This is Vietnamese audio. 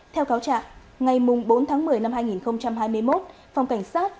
theo cáo trạng ngày bốn tháng một mươi năm hai nghìn hai mươi một